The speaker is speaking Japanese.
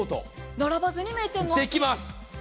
並ばずに名店の味を。